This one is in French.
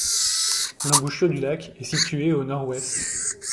L'embouchure du lac est située au nord-ouest.